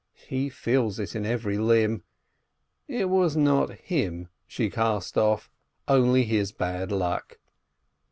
He feels it in every limb. It was not him she cast off, only his bad luck.